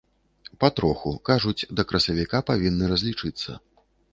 Патроху, кажуць, да красавіка павінны разлічыцца.